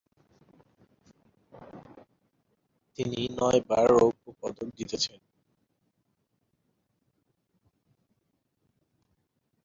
তিনি নয়বার রৌপ্য পদক জিতেছেন।